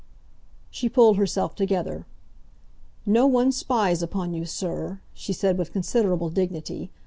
She pulled herself together. "No one spies upon you, sir," she said, with considerable dignity.